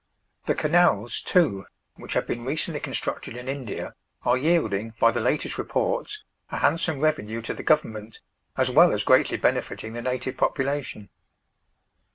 The canals, too, which have been recently constructed in India, are yielding, by the latest reports, a handsome revenue to the Government, as well as greatly benefiting the native population.